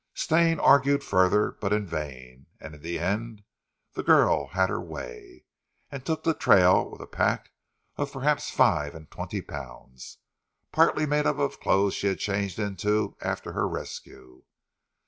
Stane argued further, but in vain, and in the end the girl had her way, and took the trail with a pack of perhaps five and twenty pounds, partly made up of the clothes she had changed into after her rescue.